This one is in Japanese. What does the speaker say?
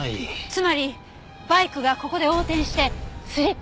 つまりバイクがここで横転してスリップした。